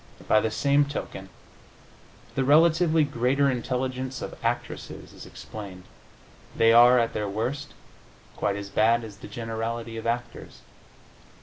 By the same token, the relatively greater intelligence of actresses is explained. They are, at their worst, quite as bad as the generality of actors.